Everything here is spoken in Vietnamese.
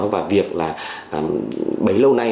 và việc là bấy lâu nay